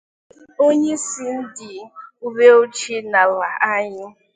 onyeisi ndị uwe ojii n'ala anyị